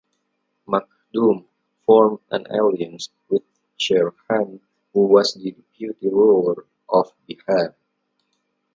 Makhdum formed an alliance with Sher Khan who was the deputy ruler of Bihar.